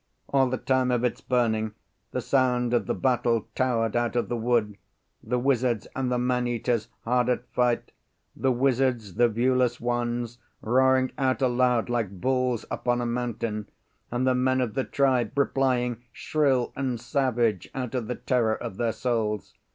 All the time of its burning, the sound of the battle towered out of the wood; the wizards and the man eaters hard at fight; the wizards, the viewless ones, roaring out aloud like bulls upon a mountain, and the men of the tribe replying shrill and savage out of the terror of their souls.